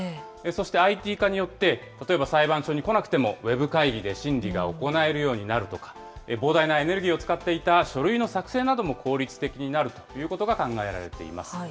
そしてＩＴ化によって、例えば裁判所に来なくても、ウェブ会議で審理が行えるようになるとか、膨大なエネルギーを使っていた書類の作成なども効率的になるということが考えられています。